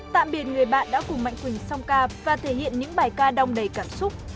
tạm biệt người bạn đã cùng mạnh quỳnh song ca và thể hiện những bài ca đong đầy cảm xúc